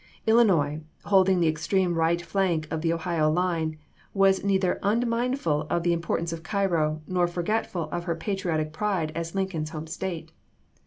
Illinois, holding the extreme right flank of the Ohio line, was neither unmindful of the impor tance of Caii'o, nor forgetful of her patriotic pride as Lincoln's home State.